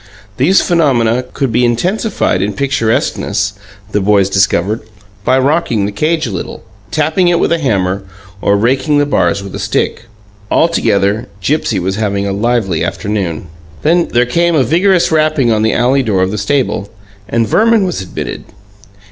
These phenomena could be intensified in picturesqueness, the boys discovered, by rocking the cage a little, tapping it with a hammer, or raking the bars with a stick. Altogether, Gipsy was having a lively afternoon. There came a vigorous rapping on the alley door of the stable, and Verman was admitted.